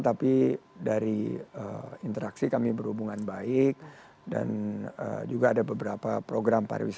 tapi dari interaksi kami berhubungan baik dan juga ada beberapa program pariwisata